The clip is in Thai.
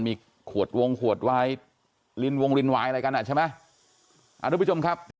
มีขวดวงขวดวายลินวงลินวายอะไรกันอ่ะใช่ไหมอ่าทุกผู้ชมครับ